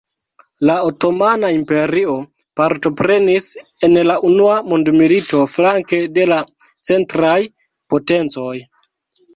La Otomana Imperio partoprenis en la Unua Mondmilito flanke de la Centraj potencoj.